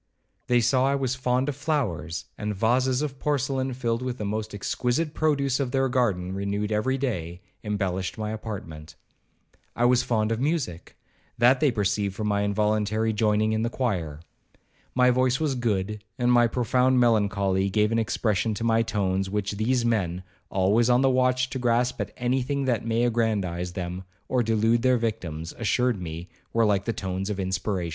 They saw I was fond of flowers, and vases of porcelain, filled with the most exquisite produce of their garden, (renewed every day), embellished my apartment. I was fond of music,—that they perceived from my involuntary joining in the choir. My voice was good, and my profound melancholy gave an expression to my tones, which these men, always on the watch to grasp at any thing that may aggrandize them, or delude their victims, assured me were like the tones of inspiration.